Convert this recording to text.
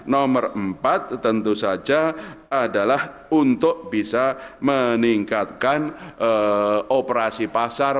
nomor empat tentu saja adalah untuk bisa meningkatkan operasi pasar